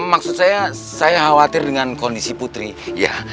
maksud saya saya khawatir dengan kondisi putri ya